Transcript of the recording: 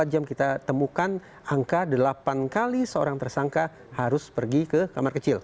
dua puluh empat jam kita temukan angka delapan kali seorang tersangka harus pergi ke kamar kecil